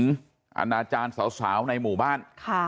อาณาจารย์สาวในหมู่บ้าน